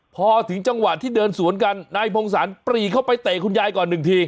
พอถึงจังหวะที่เดินสวนกันนายพงศาลปรีเข้าไปเตะคุณยายก่อนหนึ่งที